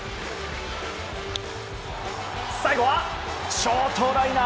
最後はショートライナー。